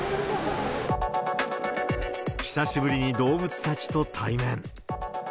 久しぶりに動物たちと対面。